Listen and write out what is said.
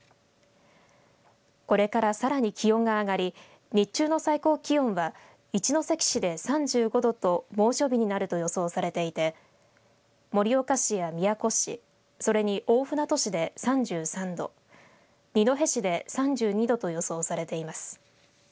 これからさらに気温が上がり日中の最高気温は一関市で３５度と猛暑日になると予想されていて盛岡市や宮古市それに大船渡市で３３度二戸市で３２度と予想されています。